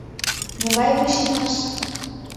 — Могай вуйшиймаш?